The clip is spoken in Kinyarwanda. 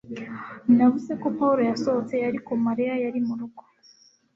Navuze ko Pawulo yasohotse ariko ko Mariya yari murugo